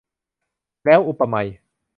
แล้ว อุปไมย